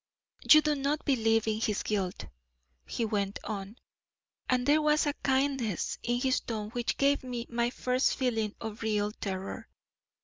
"You do not believe in his guilt," he went on, and there was a kindness in his tone which gave me my first feeling of real terror.